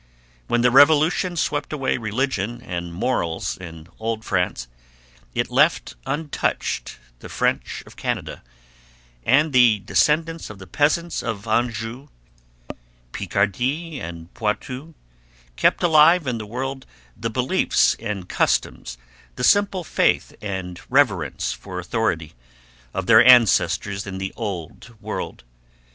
When the Revolution swept away religion and morals in Old France, it left untouched the French of Canada; and the descendants of the peasants of Anjou, Picardy, and Poitou kept alive in the New World the beliefs and customs, the simple faith and reverence for authority, of their ancestors in the Old World.